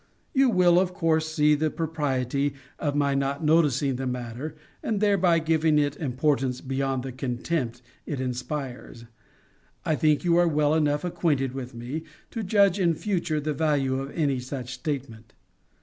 You will of course see the propriety of my not noticing the matter and thereby giving it importance beyond the contempt it inspires. I think you are well enough acquainted with me to judge in future the value of any such statement.